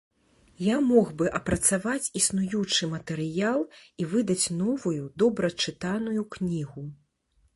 Я мог бы апрацаваць існуючы матэрыял і выдаць новую, добра чытаную кнігу.